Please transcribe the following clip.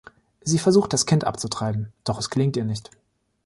Sie versucht, das Kind abzutreiben, doch es gelingt ihr nicht.